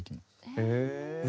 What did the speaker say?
へえ！